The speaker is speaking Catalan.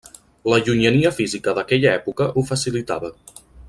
La llunyania física d'aquella època ho facilitava.